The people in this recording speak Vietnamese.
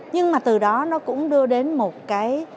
nhưng mà từ đó nó cũng đưa đến một cái